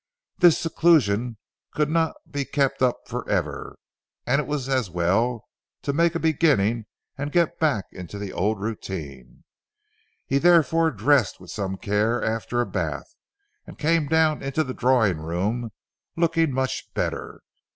This seclusion could not be kept up for ever, and it was as well to make a beginning and get back into the old routine. He therefore dressed with some care after a bath, and came down into the drawing room looking much better.